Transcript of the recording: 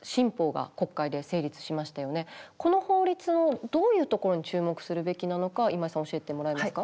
この法律のどういうところに注目するべきなのか今井さん教えてもらえますか。